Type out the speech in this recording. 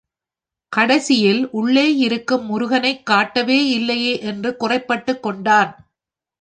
கடைசியில் உள்ளே இருக்கும் முருகனை காட்டவே இல்லையே என்று குறைபட்டுக் கொண்டான்.